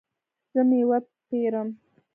زه میوه پیرم